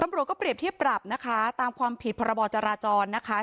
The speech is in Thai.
ตำรวจก็เปรียบเทียบปรับนะคะตามความผิดพรบจราจรนะคะ